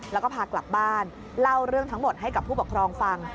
แล้วก็พากลับบ้านเล่าเรื่องทั้งหมดให้กับผู้ปกครองฟัง